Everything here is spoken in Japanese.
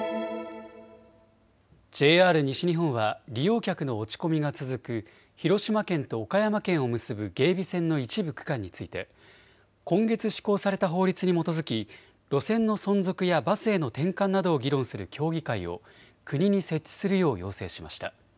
ＪＲ西日本は利用客の落ち込みが続く広島県と岡山県を結ぶ芸備線の一部区間について今月、施行された法律に基づき路線の存続やバスへの転換などを議論する協議会を国に設置するよう要請しました。